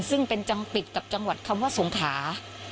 ซึ่งเป็นจำปิดกับจังหวัดคำว่าสงขา